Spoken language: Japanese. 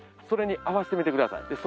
それに合わせてみてください。